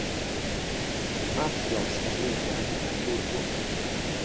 Att jag ska ligga när mormor.